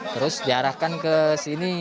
terus diarahkan ke sini